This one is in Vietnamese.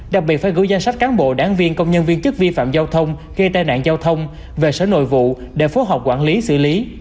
đặc biệt phải gửi danh sách cán bộ đáng viên công nhân viên chức vi phạm giao thông gây tai nạn giao thông về sở nội vụ để phối hợp quản lý xử lý